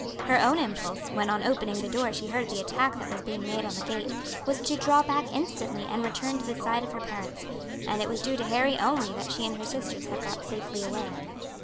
Her own impulse, when on opening the door she heard the attack that was being made on the gate, was to draw back instantly and return to the side of her parents, and it was due to Harry only that she and her sisters had got safely away.